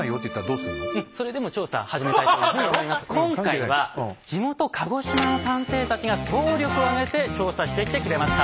今回は地元鹿児島の探偵たちが総力を挙げて調査してきてくれました。